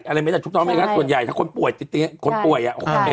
อะไรไหมนะถูกต้องไหมครับส่วนใหญ่ถ้าคนป่วยติ๊ดคนป่วยอ่ะ